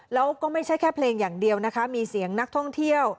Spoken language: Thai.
แล้วก็ไม่ใช่แค่เพลงอย่างเดียวนะคะมีเสียงนักท่องเที่ยว